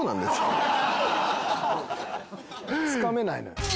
つかめないのよ。